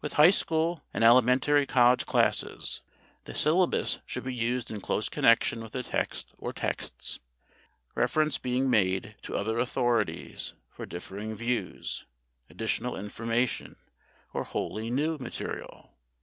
With high school and elementary college classes the syllabus should be used in close connection with a text or texts, reference being made to other authorities for differing views, additional information, or wholly new material.